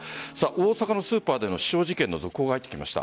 大阪のスーパーでの死傷事件の速報が入ってきました。